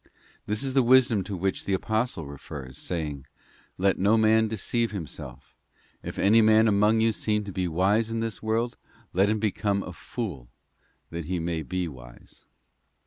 This is the wisdom to which the Apostle refers, saying, ' Let no man deceive himself; if any man among you seem to be wise in this world, let him be come a fool that he may be wise.